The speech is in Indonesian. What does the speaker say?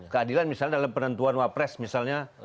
keadilan misalnya dalam penentuan wapres misalnya